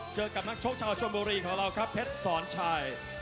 เจอกับนักชกชาวชนบุรีของเราครับเพชรสอนชัย